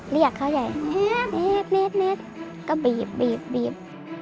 เรียกเขาเหล่ะแนธแนธแนธก็บีบบีบบีบ